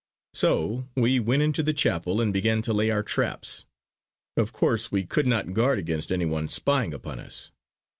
So we went into the chapel and began to lay our traps. Of course we could not guard against any one spying upon us.